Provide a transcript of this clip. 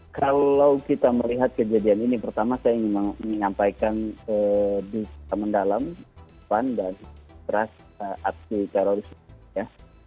kalau kita melihat kejadian ini pertama saya ingin menyampaikan di teman dalam depan dan teras aksi terorisme